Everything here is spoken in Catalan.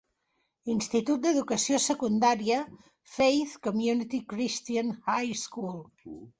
Institut d'educació secundària Faith Community Christian High School.